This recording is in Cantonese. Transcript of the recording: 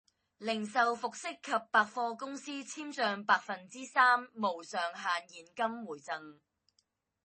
零售服飾及百貨公司簽賬百分之三無上限現金回贈